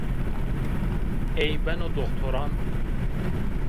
Ey beno doxtoran